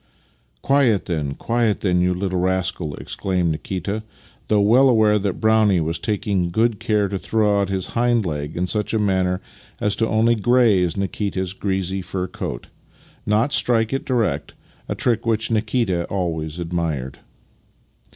"Quiet then, quiet then, you little rascal!" ex claimed Nikita, though well aware that Brownie was taking good care to throw out his hind leg in such a manner as only to graze Nikita's greasy fur coat, not strike it direct — a trick which Nikita always admired.